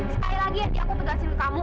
sekali lagi ndi aku tegasin kamu